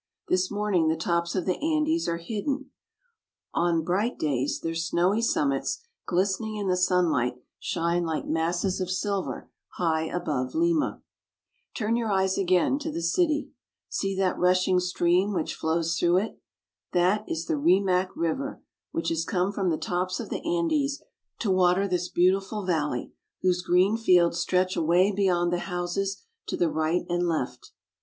This morning the tops of the Andes are hidden. On " At the back are the bleak foothills of the Andes." bright days their snowy summits, glistening in the sun light, shine like masses of silver high above Lima. Turn your eyes again to the city. See that rushing stream which flows through it. That is the Rimac (re^ mac) river, which has come from the tops of the Andes to water this beautiful valley, whose green fields stretch away beyond the houses to the right and left.